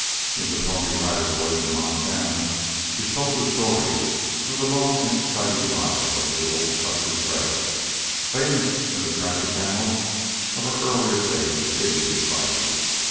In "The Pony Rider Boys in Montana" is told the story of the long and exciting ride over the old Custer Trail, famous in the tragic annals of our earlier days of Indian fighting.